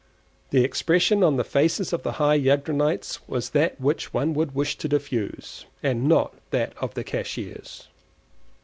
The expression on the faces of the high Ydgrunites was that which one would wish to diffuse, and not that of the cashiers.